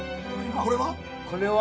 これは？